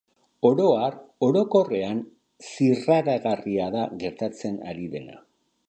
Oro har, orokorrean, zirraragarria da gertatzen ari dena.